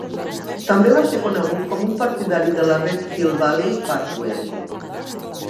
També va ser conegut com un partidari de la Red Hill Valley Parkway.